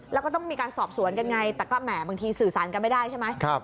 แล้วก็ต้องมีการสอบสวนกันไงแต่ก็แหมบางทีสื่อสารกันไม่ได้ใช่ไหม